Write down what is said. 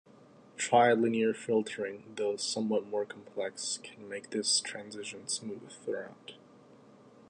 Trilinear filtering, though somewhat more complex, can make this transition smooth throughout.